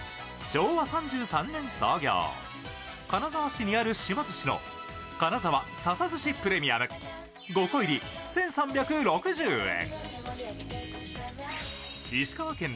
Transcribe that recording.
昭和３３年創業、金沢市にある芝寿しの金沢笹寿しプレミアム５個入り１３６０円。